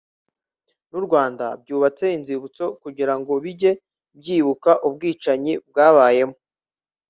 n’u Rwanda byubatse inzibutso kugira ngo bijye byibuka ubwicanyi bwabayemo